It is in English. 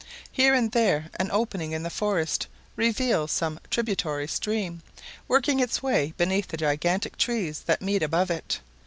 Here and there an opening in the forest reveals some tributary stream, working its way beneath the gigantic trees that meet above it.